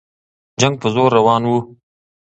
جنګ په زور روان وو.